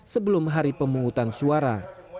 sebelum hari pemungutan suara